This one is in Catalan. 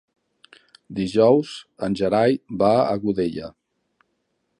Dijous en Gerai va a Godella.